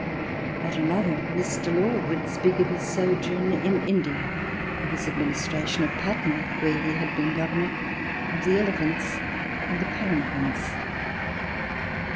At another, Mr. Law would speak of his sojourn in India, of his administration of Patna, where he had been Governor, of the elephants and the palanquins.